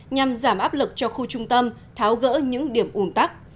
nhằm giảm áp lực cho khu trung tâm tháo gỡ những điểm ủn tắc